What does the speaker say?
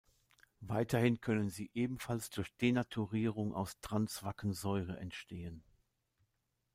Weiterhin können sie ebenfalls durch Denaturierung aus trans-Vaccensäure entstehen.